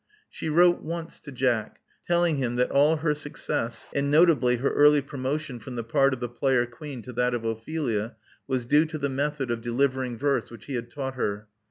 She wrote once to Jack, telling him that all her success, and notably her early promotion from the part of the player queen to that of Ophelia, was due to the method of delivering verse which he had taught her.